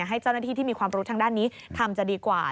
ให้เจ้าหน้าที่ที่มีความรู้ทางด้านนี้ทำจะดีกว่า